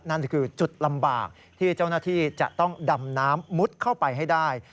นั่นคือจุดลำบากที่เจ้าหน้าที่จะต้องดำน้ำมุดเข้าไปให้ได้